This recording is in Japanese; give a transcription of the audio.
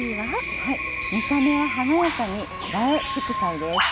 見た目は華やかに「“映え”副菜」です。